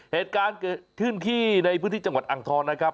เหตุการณ์ทื่นขี้ในพื้นที่จังหวัดอังทอนะครับ